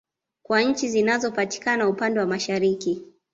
Kwa nchi zinazo patikana upande wa Mashariki